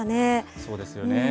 そうですよね。